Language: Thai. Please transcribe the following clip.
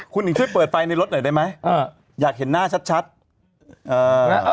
คุณหญิงช่วยเปิดไฟในรถหน่อยได้ไหมอ่าอยากเห็นหน้าชัดชัดเอ่อ